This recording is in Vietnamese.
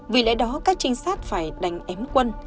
vì lẽ đó các trinh sát phải đánh ém quân